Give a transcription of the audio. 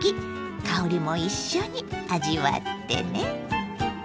香りも一緒に味わってね。